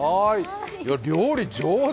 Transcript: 料理上手！